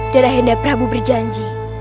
dan ayah anda prabu berjanji